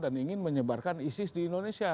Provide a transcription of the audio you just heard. menganggarkan isis di indonesia